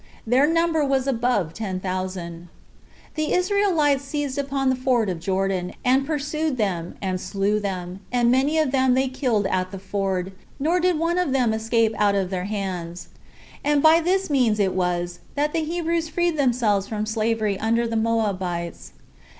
Their number was above ten thousand. The Israelites seized upon the ford of Jordan, and pursued them, and slew them, and many of them they killed at the ford, nor did one of them escape out of their hands; and by this means it was that the Hebrews freed themselves from slavery under the Moabites.